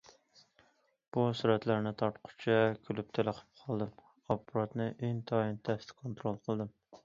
بۇ سۈرەتلەرنى تارتقۇچە كۈلۈپ تېلىقىپ قالدىم، ئاپپاراتنى ئىنتايىن تەستە كونترول قىلدىم.